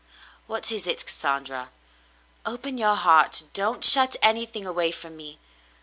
"What is it, Cassandra? Open your heart. Don't shut anything away from me.